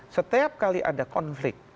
setiap kali ada konflik